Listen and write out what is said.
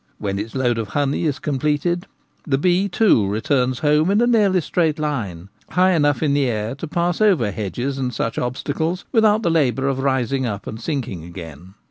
When its load of honey is completed, the bee, too, returns home in a nearly straight line, high enough in the air to pass over hedges and such obstacles without the labour of rising up and sinking again.